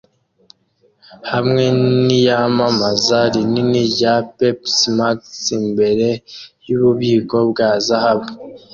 hamwe niyamamaza rinini rya Pepsi Max imbere yububiko bwa Zahabu